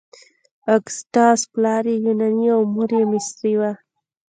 اګسټاس پلار یې یوناني او مور یې مصري وه.